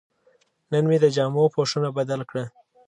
نن مې د جامو پوښونه بدل کړل.